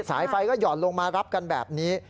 สายไฟก็ห่อนลงมารับกันแบบนี้